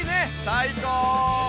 最高。